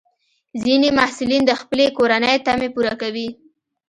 ځینې محصلین د خپلې کورنۍ تمې پوره کوي.